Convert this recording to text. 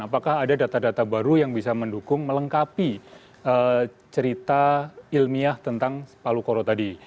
apakah ada data data baru yang bisa mendukung melengkapi cerita ilmiah tentang palu koro tadi